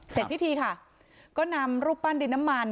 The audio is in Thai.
เสร็จพิธีค่ะก็นำรูปปั้นดินน้ำมัน